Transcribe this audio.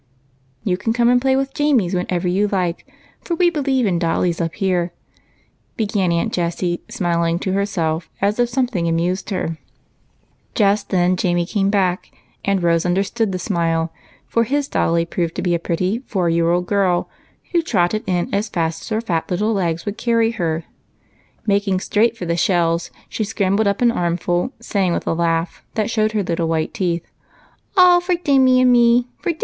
" You can come and play with Jamie's whenever you like, for we believe in dollies up here," began Aunt Jessie, smiling to herself as if something amused her. Just then Jamie came back, and Rose understood UNCLE ALEC'S ROOM. 63 the smile, for his dolly proved to be a pretty four year old little girl, who trotted in as fast as her fat legs would carry her, and, making straight for the shells, scrambled up an armful, saying, with a laugh that showed her little white teeth, —" All for Dimmy and me, for Dinuny and me